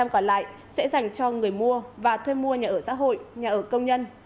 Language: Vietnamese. năm mươi còn lại sẽ dành cho người mua và thuê mua nhà ở xã hội nhà ở công nhân